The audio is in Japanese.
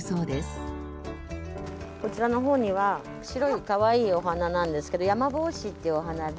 こちらの方には白いかわいいお花なんですけどヤマボウシっていうお花で。